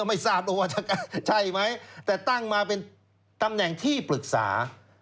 ไม่ทราบด้วยว่าใช่ไหมแต่ตั้งมาเป็นตำแหน่งที่ปรึกษา